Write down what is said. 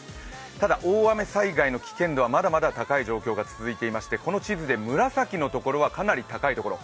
ただ大雨災害の危険度はまだまだ高い状況が続いてましてこの地図で紫のところはかなり高いところ。